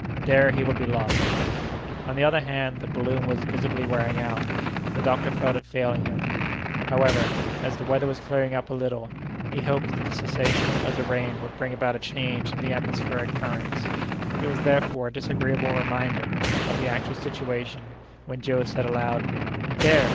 There he would be lost! On the other hand, the balloon was visibly wearing out, and the doctor felt it failing him. However, as the weather was clearing up a little, he hoped that the cessation of the rain would bring about a change in the atmospheric currents. It was therefore a disagreeable reminder of the actual situation when Joe said aloud: "There!